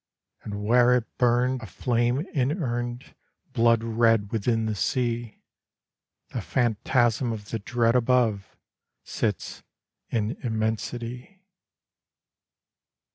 And where it burned, a flame inurned, Blood red within the sea, The phantasm of the dread above Sits in immensity.